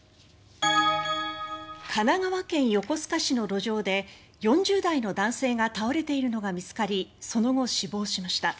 神奈川県横須賀市の路上で４０代の男性が倒れているのが見つかりその後、死亡しました。